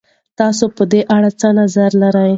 تاسې په دې اړه څه نظر لرئ؟